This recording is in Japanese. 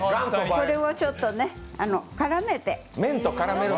これをちょっと絡めて。